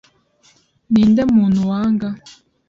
Ni nde muntu wanga